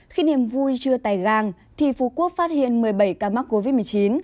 khi niềm vui chưa tài gang thì phú quốc phát hiện một mươi bảy ca mắc covid một mươi chín